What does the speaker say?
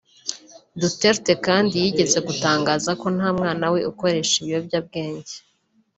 Duterte kandi yigeze gutangaza ko nta mwana we ukoresha ibiyobyabwenge